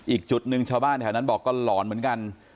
อีกจุดหนึ่งชาวบ้านแถวนั้นบอกก็หลอนเหมือนกัน